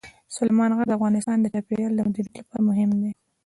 سلیمان غر د افغانستان د چاپیریال د مدیریت لپاره مهم دي.